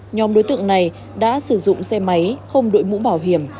nhóm đối tượng này đã sử dụng xe máy không đội mũ bảo hiểm